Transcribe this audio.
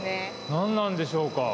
何なんでしょうか？